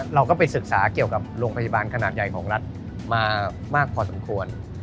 เราก็ไปศึกษาเกี่ยวกับโรงพยาบาลขนาดใหญ่ของรัฐมามากพอสมควร